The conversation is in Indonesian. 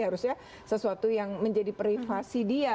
harusnya sesuatu yang menjadi privasi dia